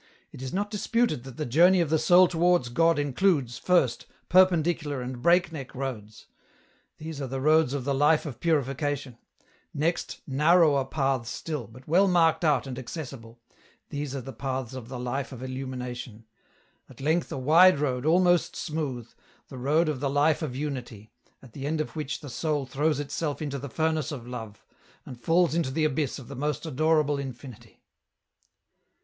It is not disputed that the journey of the soul towards God includes, first, perpendicular and breakneck roads — these are the roads of the life of Purifica tion — next, narrower paths still, but well marked out and accessible — these are the paths of the life of Illumination — 220 £N ROUTE. at length, a wide road almost smooth, the road of the life of unity, at the end of which the soul throws itself into the furnace of Love, and falls into the abyss of the most adorable Infinity